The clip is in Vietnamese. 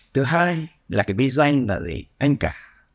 thứ hai là cái bí danh là gì anh ca